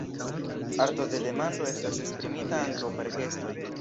Arto de demando estas esprimita ankaŭ per gestoj.